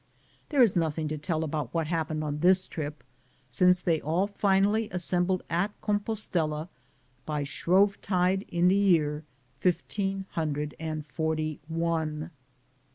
There is nothing to tell about what happened on this trip, since they all finally assembled at Compostela by shrove tide, in the year (fifteen hundred and) forty one.